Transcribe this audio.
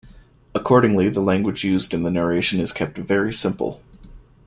Accordingly, the language used in the narration is kept very simple.